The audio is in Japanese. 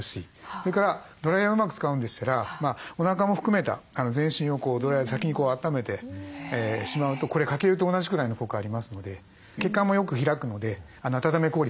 それからドライヤーうまく使うんでしたらおなかも含めた全身をドライヤーで先にあっためてしまうとこれ「かけ湯」と同じくらいの効果ありますので血管もよく開くので温め効率が上がります。